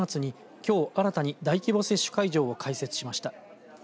有松にきょう新たに大規模接種会場を開設しました。